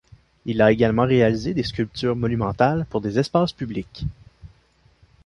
Il a également réalisé des sculptures monumentales pour des espaces publics.